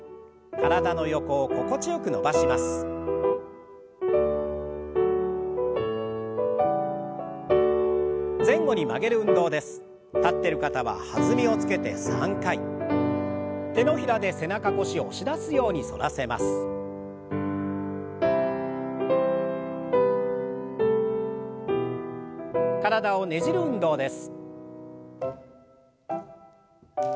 体をねじる運動です。